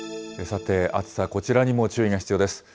さて暑さ、こちらにも注意が必要です。